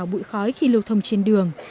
bởi bụi khói khi lưu thông trên đường